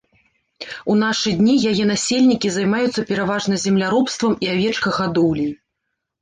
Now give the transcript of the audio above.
У нашы дні яе насельнікі займаюцца пераважна земляробствам і авечкагадоўляй.